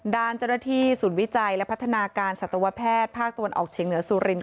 ด่านจริงที่สูตรวิจัยและพัฒนาการสัตวแพทย์ภาคตัวนออกเชียงเหนือสุรินทร์